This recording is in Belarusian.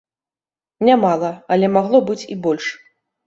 Нямала, але магло быць і больш.